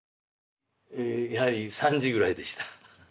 やはり３時ぐらいでした。